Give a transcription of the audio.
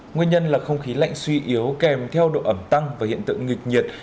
nguyên nhân là không khí lạnh suy yếu kèm theo độ ẩm tăng và hiện tượng nghịch nhiệt